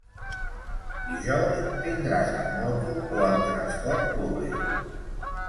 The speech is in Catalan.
Dijous vindràs amb moto o amb transport públic?